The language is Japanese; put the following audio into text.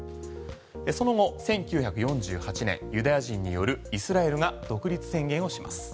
その後、１９４８年ユダヤ人によるイスラエルが独立宣言をします。